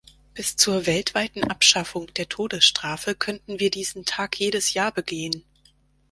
Bis zur weltweiten Abschaffung der Todesstrafe könnten wir diesen Tag jedes Jahr begehen.